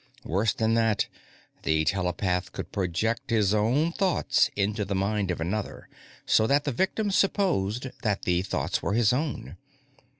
Worse than that, the telepath could project his own thoughts into the mind of another, so that the victim supposed that the thoughts were his own.